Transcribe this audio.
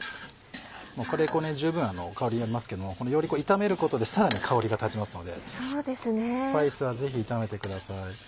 カレー粉十分香りありますけどもより炒めることでさらに香りが立ちますのでスパイスはぜひ炒めてください。